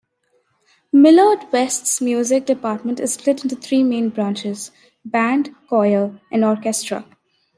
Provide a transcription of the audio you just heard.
Millard West's music department is split into three main branches: band, choir, and orchestra.